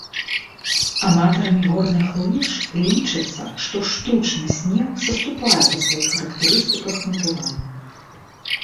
Аматарамі горных лыж лічыцца, што штучны снег саступае па сваіх характарыстыках натуральнаму.